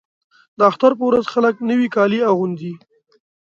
د اختر په ورځ خلک نوي کالي اغوندي.